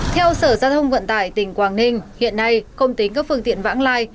theo sở giao thông vận tải tỉnh quảng ninh hiện nay không tính các phương tiện vãng lai